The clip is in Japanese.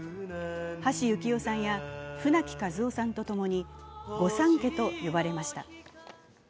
橋幸夫さんや舟木一夫さんと共に御三家と呼ばれました。